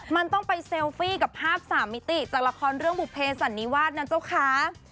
มันต้องไปเซลฟี่กับภาพสามมิติจากละครเรื่องบุภเพสันนิวาสนะเจ้าคะ